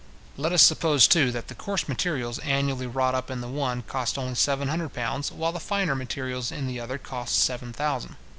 Let us suppose, too, that the coarse materials annually wrought up in the one cost only seven hundred pounds, while the finer materials in the other cost seven thousand.